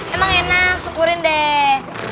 emang enak syukurin deh